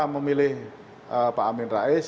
memilih pak amin rais